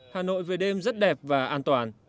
hà nội về đêm rất đẹp và an toàn